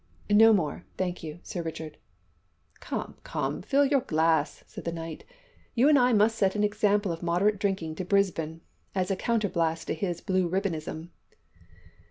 "No more, thank you, Sir Richard." "Come, come fill your glass," said the knight; "you and I must set an example of moderate drinking to Brisbane, as a counter blast to his Blue Ribbonism."